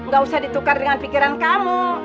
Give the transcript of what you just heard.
gak usah ditukar dengan pikiran kamu